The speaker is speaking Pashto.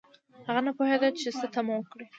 هغه نه پوهیده چې څه تمه وکړي